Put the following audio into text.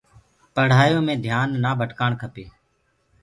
پڙهآيو مي ڌيآن نآ ڀٽڪآڻ ڪپي۔